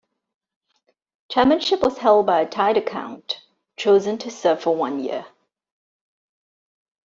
Chairmanship was held by a tithe count chosen to serve for one year.